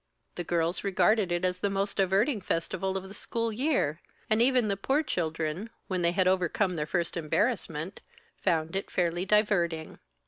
The girls regarded it as the most diverting festival of the school year; and even the poor children, when they had overcome their first embarrassment, found it fairly diverting.